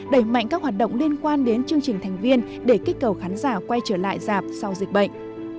đẩy mạnh các hoạt động liên quan đến chương trình thành viên để kích cầu khán giả quay trở lại giảm sau dịch bệnh